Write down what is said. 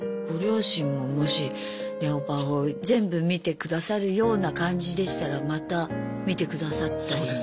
ご両親ももし「ねほぱほ」を全部見てくださるような感じでしたらまた見てくださったりも。